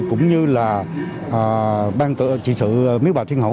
cũng như là ban trị sự miếu bà thiên hậu